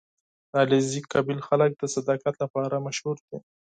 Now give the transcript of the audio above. • د علیزي قوم خلک د صداقت لپاره مشهور دي.